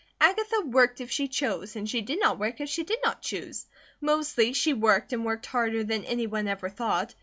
Agatha worked if she chose, and she did not work if she did not choose. Mostly she worked and worked harder than any one ever thought.